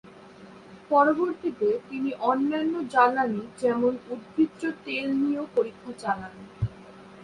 পরবর্তীতে তিনি অন্যান্য জ্বালানি যেমন উদ্ভিজ্জ তেল নিয়েও পরীক্ষা চালান।